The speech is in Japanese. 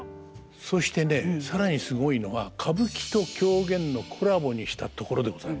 そしてね更にすごいのは歌舞伎と狂言のコラボにしたところでございます。